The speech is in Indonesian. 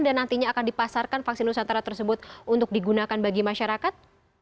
dan nantinya akan dipasarkan vaksin nusantara tersebut untuk digunakan bagi masyarakat